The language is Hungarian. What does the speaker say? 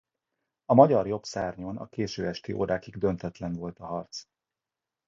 A magyar jobbszárnyon a késő esti órákig döntetlen volt a harc.